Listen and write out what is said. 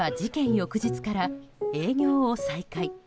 翌日から営業を再開。